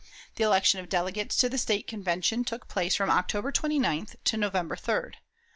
The election of delegates to the State Convention took place from October 29th to November 3d.